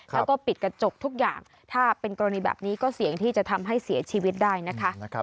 แล้วก็ปิดกระจกทุกอย่างถ้าเป็นกรณีแบบนี้ก็เสี่ยงที่จะทำให้เสียชีวิตได้นะคะ